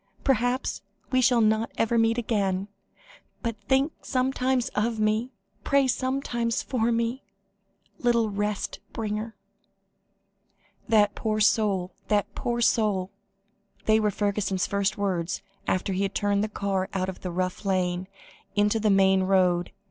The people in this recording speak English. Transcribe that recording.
Perhaps, we shall not ever meet again but think sometimes of me pray sometimes for me little rest bringer." "That poor soul! that poor soul!" They were Fergusson's first words after he had turned the car out of the rough lane, into the main road.